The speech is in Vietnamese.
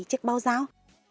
chiếc bao giáo